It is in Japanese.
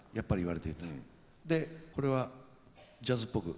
でこれはジャズっぽく？